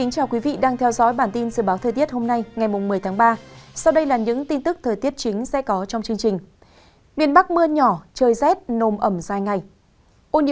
các bạn hãy đăng ký kênh để ủng hộ kênh của chúng mình nhé